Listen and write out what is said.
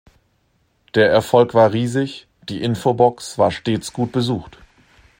Der Erfolg war riesig, die Infobox war stets gut besucht.